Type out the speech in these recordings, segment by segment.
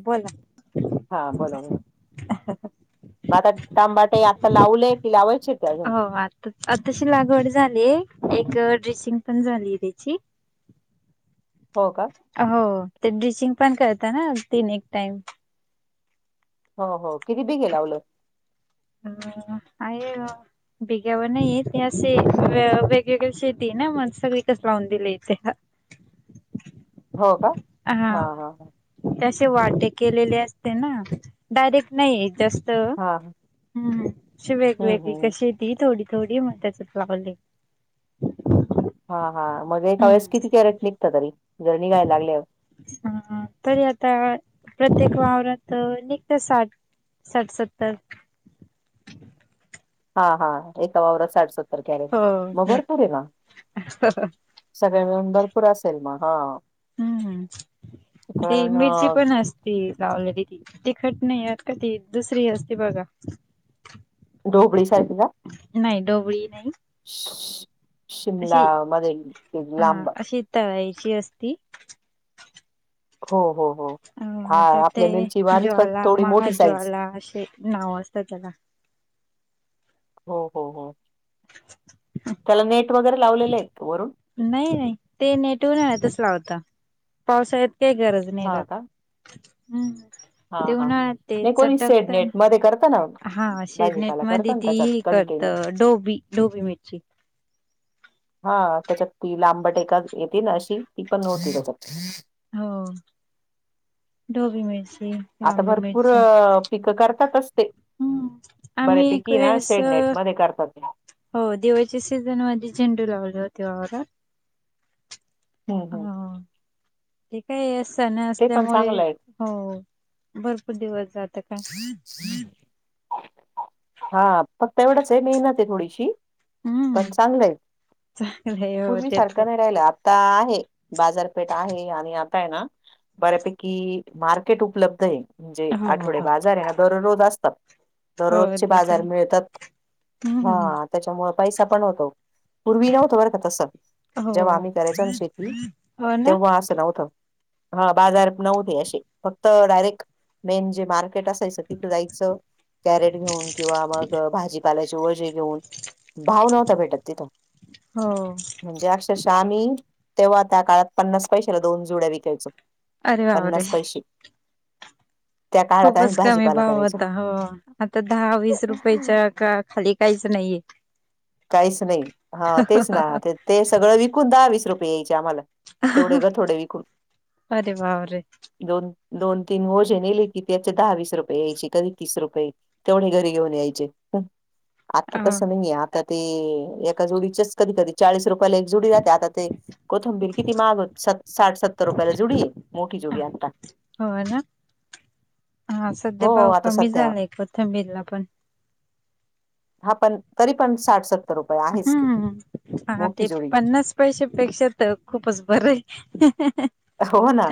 हो बोला हा बरोबर मग आता तांबाटे आता लावले की होय. हो आताच आताशी लागवड झाली, एक ड्रेसिंग पण झाली त्यांची. हो का हो ते ड्रिचिंग पण करत ना तीन एक टाइम. हो हो किती बेघे लावलं. ह आहे बेघ्यावर नाही ते असे वेगवेगळे शेती ना मग सगंळी कस लावून दिले ते. [inaudible] का हा.. त्याे अशे वाटे केलेले असते ना डायरेक्ट जास्त हां हां हम्म अशी वेगवेगळी कशी ती थोडी मग त्यांच्यात लावले. हां हां मग एका वेळेस हम्म किती कॅरेट निघत तरी? निघायला लागले तर. हां तरी आता प्रत्येक वावरात निघतय साठ. साठ सत्तर हा हा एका वावरात साठसत्तर कॅरेट हो मग भरपूर निघत. आहे ना सगळे मिळून भरपूर असेल मग हां हं हं ते मिरची अ, पण असते. ती लावलेली ती तिखट नाही आहेत का ती दुसरी असती बघा. ढोबळी सारखी ना. नाही ढोबळी नाही. श श शिमला अशी मध्ये हा लांब अशी तळायची असती. हो हो हो हा अं तर ते आपल्या मिरची वाणीच पण ज्वाला थोडी मोठी साईज महाज्वाला असे नाव असतं त्याला. हो हो हो त्याला नेट वगैरे लावलेलं आहेत का वरून. नाही नाही ते नेट उन्हाळ्यातच लावता पावसाळ्यात काही गरज नाही हा का राहत. हंम्म हा ते हा उन्हाळ ते नाही कोणी सेड चटकतय नेट मध्ये करता ना हा शेडनेट भाजीपाला करता मध्ये ना ती त्याच्यात ही. करत कंटिन्यू चोबी चोबळी मिरची. हा त्याच्यात ती लांबट एखादी येते ना अशी ती पण नव्हती त्यांच्यात, हो ढोबळी मिरची. आता लांबडी भरपूर मिरची पिकं करतातस ते, हम्म आम्ही एक बऱ्यापैकी ना वेळेस शेडनेट मध्ये करतात. हो दिवाळीच्या सीझन मध्ये झेंडू लावले होते बघा का. हम्म हम्म. ते काय सणे ते पण असल्यामुळे चांगलं आहे हो भरपूर दिवस जातं का. हा फक्त एवढच आहे मेहनत आहे थोडीशी. पण हम्म चांगलंय चांगलं आहे हो पूर्वी ते तर सारखं नाही राहिलं आ ता आहे बाजारपेठ आहे आणि आता आहे ना बऱ्यापैकी मार्केट उपलब्ध आहे म्हणजे आहे हो हो आठवडे हो बाजार आहे ना दररोज असतात. हो दररोजचे ते तर बाजार आहे मिळतात हम्म हां. त्याच्यामुळे पैसा पण होतो पूर्वी नव्हत बरं का तसं. हो जेव्हा आम्ही करायचो ना शेती हो ना तेव्हा अस न्हवतं हा बाजार न्हवते असे फक्त डायरेक्ट मेन जे मार्केट असायच तिथं जायचं कॅरेट घेऊन किंवा मग भाजीपालाय चे ओझे घेऊन भाव नव्हता भेटत तिथं. हो. म्हणजे अक्षरशः आम्ही तेव्हा त्या काळात पन्नास पैशाला दोन जुड्या विकायचो. अरे बापरे! पन्नास पैसे त्या काळात आणि खूपच भाजी कमी भाव होता हो आता दहा वीस रुपयाच्या का खाली काहीच नाहीये. काहीच नाही हा तेच ना ते ते सगळं विकून दहा-वीस रुपये यायचे आम्हाला. तेवढे गं थोडे विकून. अरे बापरे दोन दोन तीन ओझे नेले कि त्याचे दहा वीस रुपये यायचे कधी तीस रुपये तेवढे घरी घेऊन यायचे आता अ तसं नाहीय आ आता ते एका जुडीचेच कधी-कधी चाळीस रुपयाला एक जुडी जाते आता ते कोथिंबीर किती महाग साठ सत्तर रुपयाला जुडी आहे मोठी जुडी आता. हो ना हा सध्या हो भाव आता कमी सध्या झालाय कोथंबीरला पण. हा पण तरी पण साठ सत हम्म हा ते जोडी पन्नास पैशापेक्षा तर खूपच बर आहे. हो ना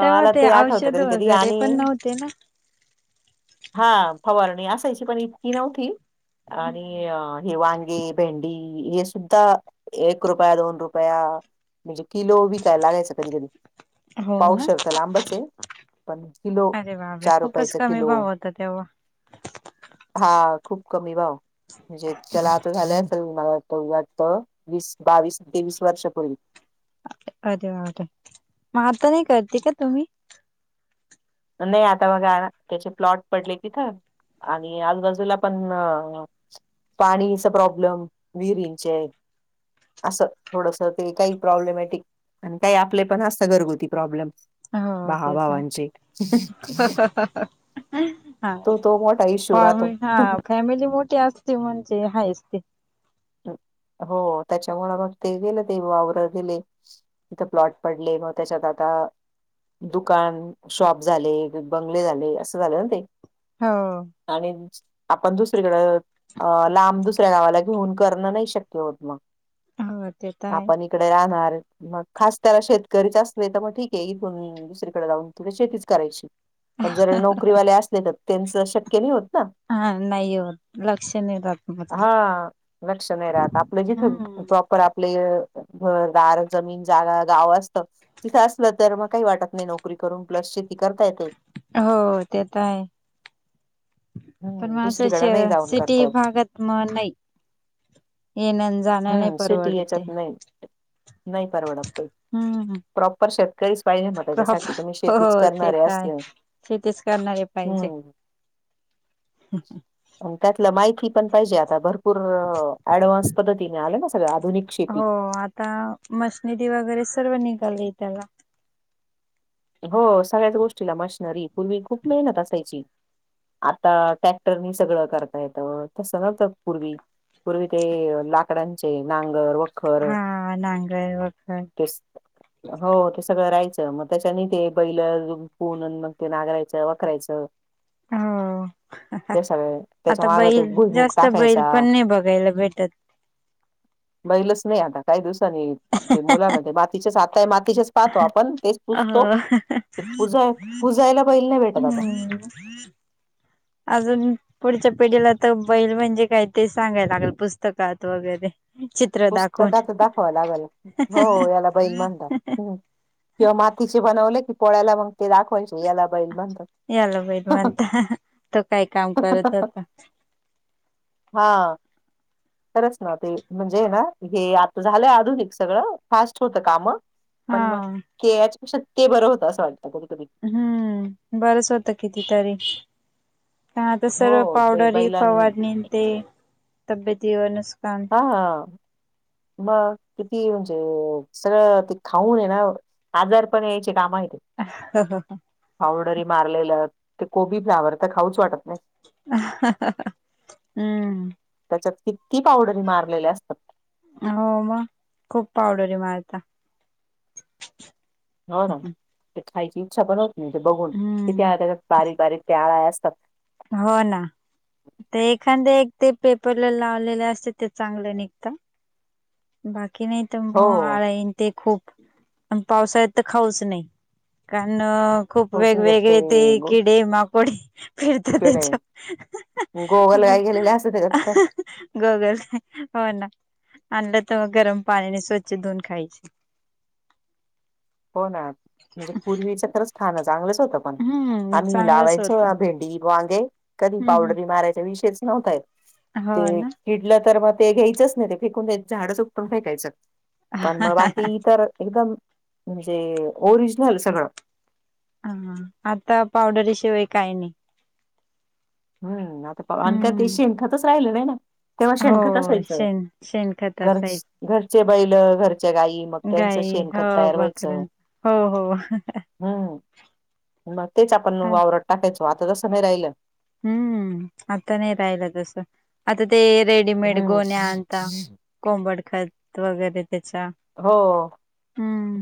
तेव्हा ते आठवत औषध कधी-कधी वगैरे आणि पण नव्हते ना हा फवारणी असायची पण इतकी नव्हती हम्म. आणि अ ही वांगी, भेंडी हे सुद्धा एक रुपया दोन रुपया म्हणजे किलो विकाय लागायचं कधी-कधी हो ना पाऊसर तर लांबच आहे पण किलो अरे बापरे चार खूपच रुपयाचा कमी किलो. भाव होता तेव्हा हा खूप कमी भाव म्हणजे त्याला आता झालंय असेल मला तर वाटतं वीस, बावीस, तेवीस वर्षपूर्वी. अरे वात म आता नाही करते का तुम्ही? नाही आता माझा आहे ना त्याचे प्लॉट पडले तिथं आणि आजूबाजूला पण म पाणीचा प्रॉब्लेम विहिरींचे आहे असं थोडस ते काही प्रॉब्लेमॅटिक आणि काही आपले पण असं घरगुती प्रॉब्लेम. हो ते तर भाहभावांचे हा तो तो मोठा हो इश्यू राहतो आम्ही हा ख फॅमिली मोठी असते म्हणजे हायच ते. ट हो त्याच्यामुळं मग ते गेलं तर वावराय गेले. तिथं प्लॉट पडले मग त्याच्यात आता. दुकान शॉप झाले बंगले झाले असं झाले ना ते. हो आणि आपण दुसरीकडें अ लांब दुसऱ्या गावाला घेऊन. करणं नाही शक्य होत मग. मग ते काय. आपण इकडे राहणार मग खास त्याला शेतकरीच असले तर मग ठीक आहे इथून मी. दुसरीकडे जाऊन तुला शेतीच करायची. पण जर नोकरीवाले असले तर त्यांच शक्य नाही होत ना. हा नाहीय होत लक्ष, नाही राहात, मग. हा. लक्ष नाही राहत आपलं जिथ. हम्म. प्रॉपर आपले घरदार जमीन जागा गाव असत. तिथं असलं तर मग काही वाटत नाही नोकरी करून प्लस शेती, करता येते. हो ते तर आहे. पण हम्म मा असं दुसरीकडे नाही जाऊन सिटी करतात भागात म नाही. येणं जाण्या नाही हम्म सिटी परवडते. याच्यात नाही नाही परवडत. ते. हु. प्रॉपर शेतकरीच पाहिजे मग त्याच्यासाठी तुम्ही शेतीच हो ते करणारे तर आहे. असले शेतीच हु. हम ह. त्यातला माहिती पण पाहिजे आता भरपूर अँडव्हान्स पद्धतीने आले ना सगळ आधुनिक. शेती हो आता मशनिदी वगैरे सर्व निघालले त्याला. हो सगळ्याच गोष्टीला मशनरी पूर्वी खूप मेहनत असायची. आता टॅक्टरनी सगळं करता येत तसं नव्हतं पूर्वी. पूर्वी ते लाकडांचे नांगर व खर हो, हा नांगर वखर ते, सगळं राहायचं. त्याच्यानी ते बैल जुपून मग ते नागरायचं वाखरायचं. हो. त्या, कस, त्याच्या आता माग बैल भुईमूग जास्त बैल टाकायचा. पण नाही बघायला भेटत. बैलच नाही आता काही दिवसांनी ते मुलांना ते मातीचेच आताय मातीचेच पाहतो आपण तेच अ. पुजतो ते पुजा पुजायला बैल नाही भेटत आता. हम् ह् अजून पुढच्या पिढीला तर बैल म्हणजे काय ते सांगायला लागेल पुस्तकात वगैरे. चित्र दाखवून पुस्तकात दाखवाव लागेल, हो याला बैल म्हणतात किंवा मातीचे बनवले की पोळ्याला मग ते दाखवायचे. याला बैल म्हणतात. याला बैल म्हणता तो काय काम करत होता हा खरंच ना ते म्हणज ना हे आता झालंय आधुनिक सगळं फास्ट होत काम हा पण मग. के याच्यापेक्षा ते बरं होत असं वाटतं कुठेतरी हु. बरंच होतं किती तरी आत्ता, हो सर्व ते पावडरही बैलां फवारनी, ते तब्येती वर नुकसान. हा हा मग किती म्हणजे सगळं ते खाऊन ये ना आजार पण यायचे काम. हं हं हं पावडरी मारलेलं ते कोबी फ्लावर तरं खाऊंच वाटतं नाहीं हं हं हं हम्मं त्यांच्यात किती पावडरी मारलेले असतांत हो मंग खूंप पावडरी मारंतात हो नां ते खांयची ईच्छा पणं होती नाहीं तेे बघूंन किती हम्म त्यां बारीक बारीक अळ्यां असतांत हो नां ते एखादे एक ते पेपरला लावलेले असते ते चांगलं निघतात बाकी नाहीं तरं हो मंग आळयां ते खूंप आणि पावसाळ्यांत तरं खांऊच नाहीं खूंप हो समजा वेगवेगळे ते किडे माकोडे फिरतां पेढ तेच्यां गोगल आपं काय गेलेले असत हं त्याच्यात हं हं गोगंल होनां आणलं तरं मंग गरमं पाणीने स्वंच्छ धुवूंन खांयचे हो नां म्हणजे पूर्वीच तरचं खांन चांगलंच होतं हम्म आम्हीं चांगलंच लावांयचो होतं भेंडी वांगे कधीं हम्म पावडरी मारांयच्या विषयंच नव्हतां येतं हम्म हो ते ना. किडलं तरं मंग ते घ्यायचंच नाहीं ते फेकूंन झाडं ऊटतूंन फेकायचं पणं मंग बाकी इतरं एकदंम म्हणजे ओरिजनल संगळ नां हां आंता पावडरीशिवांय कांहीं नाहीं हम्मं आंता अनं त्यांतं हम्म. शेणखंतच राहिलेलं नाहीं नां तेव्हां शेणखंत हो असायचं शेण शेणखत घरं असायच घरंचे बैल घरंच्या गाई मंग गाई हो बाकर हो हो हम्मं मंग तेचं आपणं वावरांत टाकांयचो आंता तसं नाहीं राहिलं हम्मं आंता नाहीं राहिलं तसं आंता ते रेडीमेड गोन्यां आनंतात हम्म. कोंबडं खंत वगैरें त्यांच्या हो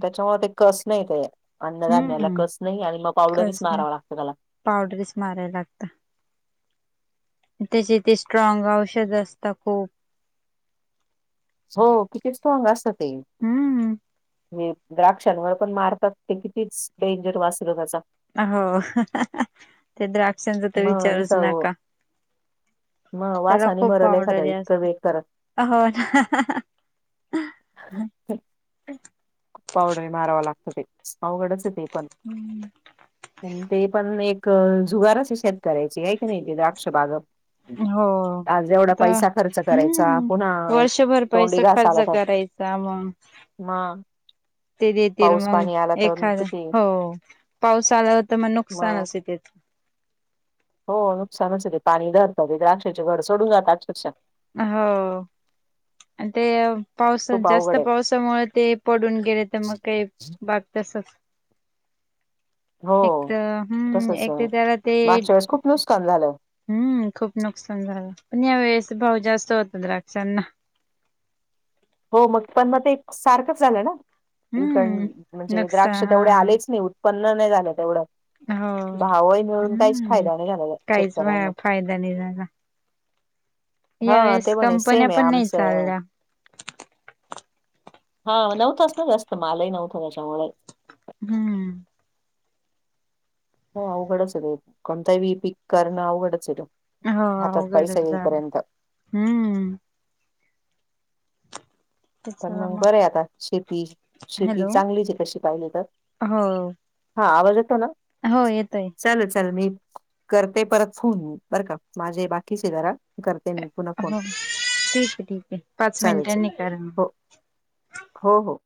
त्यांच्यामुळे ते कसं नाहीं ते अन्नदानण्यांला हम्म कसं नाहीं आणि मंग पावडरची मारावां लागते त्यांला पावडरची मारांयला लागतं त्यांचे ते स्ट्रॉग औषध असतांत खूंप हो किती स्ट्रॉंग असतं ते हम्म द्राक्षांवरं पणं मारतांत ते कितीचं डेंजर वासं त्यांचा हो ते द्राक्षांचा तरं मग विचारु चं नुसतं नकां मग त्यांला वासाने खूंप मरल एखादा इतकं वेट करत पावडरीअसतां हो नां पावडरी मारावां लागतं ते अवघडचं आहे ते? पण हम्मं. ते पणं एक जुगांरचं शेतकऱ्यांची कां की नाहीं ते द्राक्ष बाग. हो आज एवढा तरं पैसा खर्च करायचा हम्मं पुन्हा वर्षभर तोंडी पैसा खर्च करायचं. त्यां मंग. हां ते देतील मंग एखादां किती हो पाऊस आंला तरं मंग मग नुकसानचं. हो नुकसानचं ते पाणी धरांत ते द्राक्षेचे घरं सोडूंन जातांत अक्षरक्षा. हो आणि ते पावसाच्या खूप अवघड जास्तं आहे. पावसांमुळे ते पडूंन गेले तरं मंग कांहीं बांग तसंच. हो हम्म तसंच एक तर मागंच्या वेळेस खूंप नुसकसांन झालं. हम्मं खूंप नुकसांन झालं पणं यां वेळेस भांव जास्तं होतं द्राक्षांना. हो मग पण मग ते एक सारखंच झालं ना, [unintelligible] हम्म म्हणजे द्राक्ष तेवढे नुकसान आलेच नाही. उत्त्पन्न नाही झाल तेवढ. हा हो भावही मिळून काहीच हम्म फायदा नाही झाला काहीच शेतकऱ्यांना. फायदा नाही झाला हा यावेेळेस ते पण आहे कंपन्या सेम आहे पण नाही आमचं चालल्या. हा नव्हतच ना जास्त मालही नव्हत त्याच्यामुळे. हम्म. ह अवघडच कोणताही पीक करण अवघडच आहे. हो हातात पैसा अवघडच येई झालं पर्यंत. हम्म. पण मग बरं आता शेती शेती हॅलो चांगलीच तशी पाहिली तर. हो हा आवाज येतो ना? हो येतोय. चालल, चालल मी करते परत फोन मी बरं का माझे बाकीचे जरा करते मी. पुन्हा फोन हो ठीक आहे, ठीक आहे पाच चालेल चालेल मिनटांनी करा. मग हो हो हो.